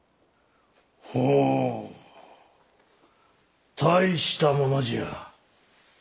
ほう大したものじゃ。